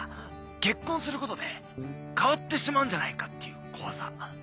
結婚することで変わってしまうんじゃないかっていう怖さ。